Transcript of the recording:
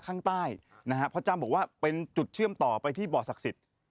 ข้างใต้นะฮะพ่อจ้ำบอกว่าเป็นจุดเชื่อมต่อไปที่บ่อศักดิ์สิทธิ์